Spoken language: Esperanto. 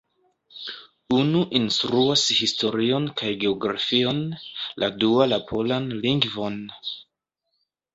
Unu instruas historion kaj geografion, la dua la polan lingvon.